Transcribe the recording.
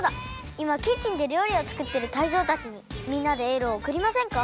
いまキッチンでりょうりをつくってるタイゾウたちにみんなでエールをおくりませんか？